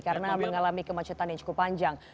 karena mengalami kemacetan yang cukup panjang